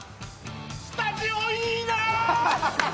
スタジオいいな。